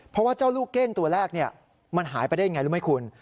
เพราะว่าเจ้าลูกเก้งตัวแรกมันหายไปได้ยังไงรู้ไหมคุณ